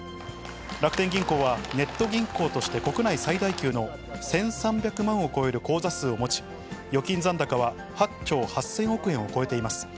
楽天銀行はネット銀行として国内最大級の１３００万を超える口座数を持ち、預金残高は８兆８０００億円を超えています。